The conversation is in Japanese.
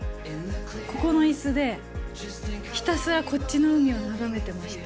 ここのいすで、ひたすらこっちの海を眺めてました。